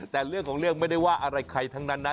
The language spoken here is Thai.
แต่เรื่องของเรื่องไม่ได้ว่าอะไรใครทั้งนั้นนะ